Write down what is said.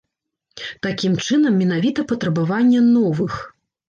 Такім чынам, менавіта патрабаванне новых.